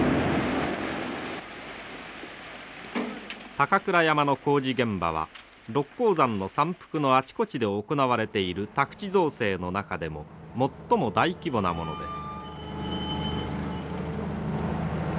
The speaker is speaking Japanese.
高倉山の工事現場は六甲山の山腹のあちこちで行われている宅地造成の中でも最も大規模なものです。